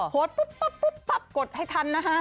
โหดปุ๊บปุ๊บปุ๊บปุ๊บกดให้ทันนะฮะ